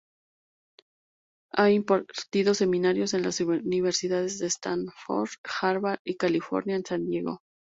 Ha impartido seminarios en las Universidades de Stanford, Harvard y California, en San Diego.